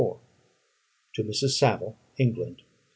_To Mrs. Saville, England.